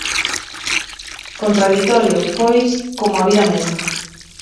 Contraditorio, pois, como a vida mesma.